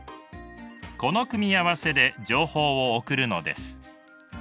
この組み合わせで情報を送るのです。